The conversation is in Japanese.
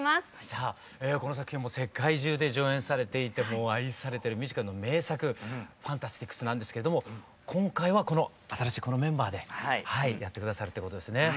さあこの作品はもう世界中で上演されていて愛されてるミュージカルの名作「ファンタスティックス」なんですけれども今回は新しいこのメンバーでやって下さるってことですね。